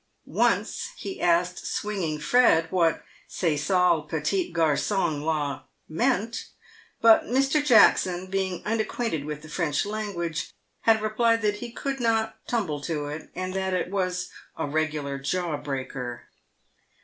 Once he asked Swinging Fred what " ce sal pettit garsong M 2 164 PAVED WITH GOLD. la" meant, but Mr. Jackson, being unacquainted with the French language, had replied that he could not "tumble to it," and that it was a " regular jawbreaker."